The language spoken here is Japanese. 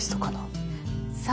そう。